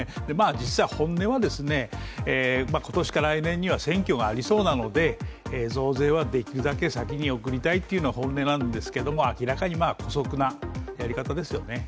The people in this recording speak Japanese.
実際、本音は今年か来年には選挙がありそうなので増税はできるだけ先に送りたいっていうのが本音なんですが、明らかに姑息なやり方ですよね。